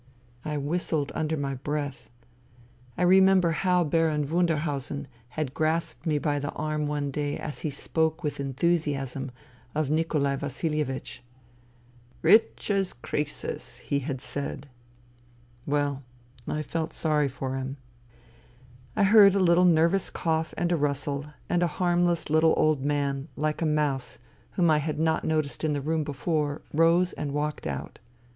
I whistled under my breath. I remember how Baron Wunderhausen had grasped me by the arm one day as he spoke with enthusiasm of Nikolai Vasilievich, " Rich as Croesus," he had said. Well, I felt sorry for him. ... I heard a little nervous cough and a rustle, and a harmless little old man, like a mouse, whom I had not noticed in the room before, rose and walked out.